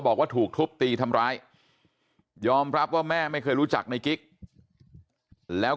บอกว่าถูกทุบตีทำร้ายยอมรับว่าแม่ไม่เคยรู้จักในกิ๊กแล้ว